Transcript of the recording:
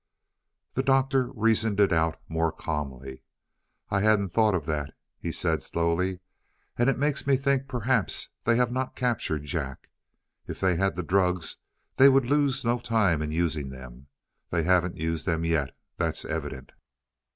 The Doctor reasoned it out more calmly. "I hadn't thought of that," he said slowly. "And it makes me think perhaps they have not captured Jack. If they had the drugs they would lose no time in using them. They haven't used them yet that's evident."